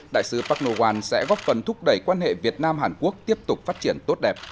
đại sứ park ngoan sẽ góp phần thúc đẩy quan hệ việt nam hàn quốc tiếp tục phát triển tốt đẹp